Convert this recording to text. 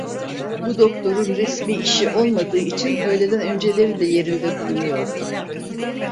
Bu doktorun resmi işi olmadığı için öğleden önceleri de yerinde bulunuyordu.